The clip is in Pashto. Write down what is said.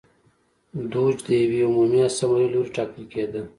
دوج د یوې عمومي اسامبلې له لوري ټاکل کېده.